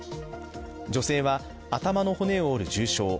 女性は頭の骨を折る重傷。